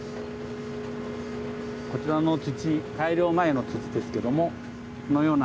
こちらの土改良前の土ですけども。